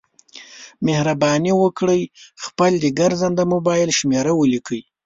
مهرباني وکړئ خپل د ګرځنده مبایل شمېره ولیکئ